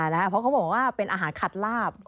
เพราะเขาบอกว่าเป็นอาหารขัดลาบ